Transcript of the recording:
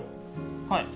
はい。